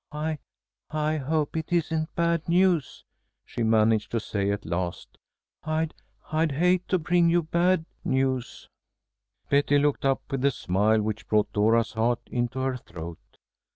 "I I hope it isn't bad news," she managed to say at last. "I I'd hate to bring you bad news." Betty looked up with a smile which brought Dora's heart into her throat.